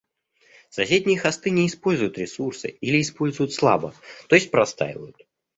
Соседние хосты не используют ресурсы или используют слабо, то есть простаивают